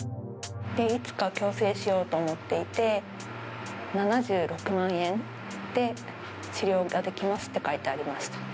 いつか矯正しようと思っていて、７６万円で治療ができますって書いてありました。